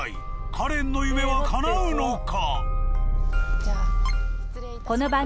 カレンの夢は叶うのか！？